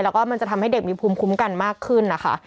แล้วก็มันจะทำให้เด็กมีภูมิคุ้มกันมากขึ้นนะคะ